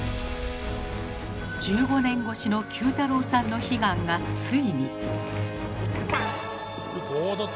１５年越しのＱ太郎さんの悲願がついに。